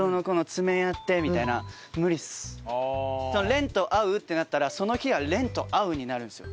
廉と会うってなったらその日は廉と会うになるんですよ。